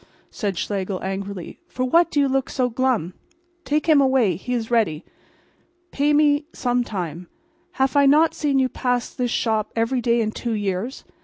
cried Schlegel, angrily. "For what do you look so glum? Take him away. He is ready. Pay me some time. Haf I not seen you pass mine shop every day in two years?